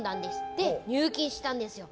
で、入金したんですよ。